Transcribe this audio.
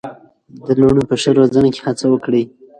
د لوڼو په ښه روزنه کې هڅه وکړئ.